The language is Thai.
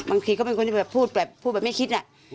บางทีก็เป็นคนที่พูดไม่คิด